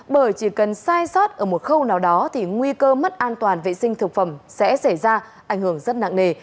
bởi chỉ cần sai sót ở một khâu nào đó thì nguy cơ mất an toàn vệ sinh thực phẩm sẽ xảy ra ảnh hưởng rất nặng nề